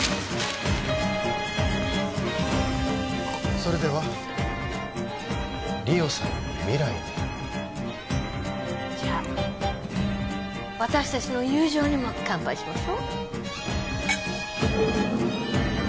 それでは梨央さんの未来にじゃあ私達の友情にも乾杯しましょ